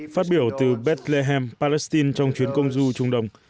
phát biểu từ bethlehem palestine trong chuyến công du trung đồng